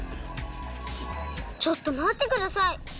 ちょっとまってください。